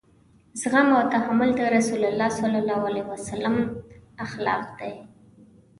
زغم او تحمل د رسول کريم صلی الله علیه وسلم اخلاق دي.